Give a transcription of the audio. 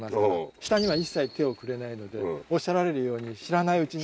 下には一切手を触れないのでおっしゃられるように知らないうちに。